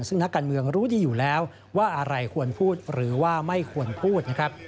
ซึ่งนักการเมืองรู้ดีอยู่แล้วว่าอะไรควรพูดหรือว่าไม่ควรพูดนะครับ